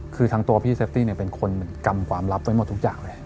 คือทั้งตัวพี่เซฟตี้เนี่ยเป็นคนกำความลับไว้หมดทุกอย่างเลย